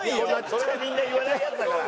それはみんな言わないやつだから。